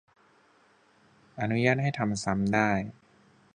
อนุญาตให้ทำซ้ำได้